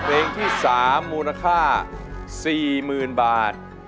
เพลงที่สามมูลค่าสี่หมื่นบาท